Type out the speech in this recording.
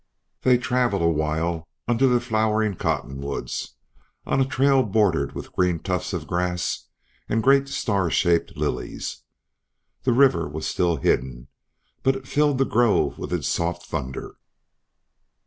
They travelled awhile under the flowering cottonwoods on a trail bordered with green tufts of grass and great star shaped lilies. The river was still hidden, but it filled the grove with its soft thunder.